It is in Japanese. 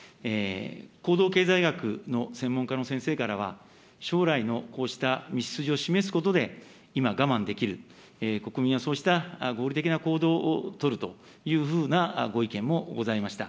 行動経済学の専門家の先生からは、将来のこうした道筋を示すことで、今我慢できる、国民はそうした合理的な行動を取るというふうなご意見もございました。